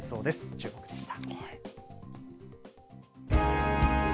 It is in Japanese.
チューモク！でした。